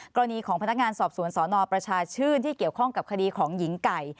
กรณีของพนักงานสอบสวนสนประชาชื่นที่เกี่ยวข้องกับคดีของหญิงไก่